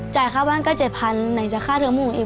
จ่ายค่าบ้านก็๗๐๐๐บาทไหนจะค่าเทอมพวกหนูอีก